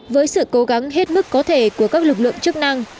với sự cố gắng hết mức có thể của các lực lượng chức năng